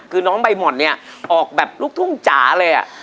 คือน้องใบหม่อนเนี่ยออกแบบลูกทุ่งจ๋าเลยอ่ะ